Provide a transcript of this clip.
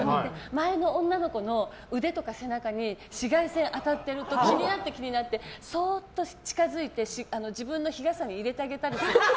前の女の子の腕とか背中に紫外線が当たっていると気になって気になってそーっと近づいて、自分の日傘に入れてあげたりするんです。